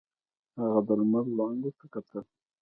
هغه د لمر وړانګو ته کتل.